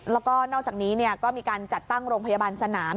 แล้วก็นอกจากนี้ก็มีการจัดตั้งโรงพยาบาลสนาม